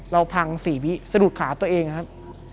เราพัง๔วิสะดุดขาตัวเองครับ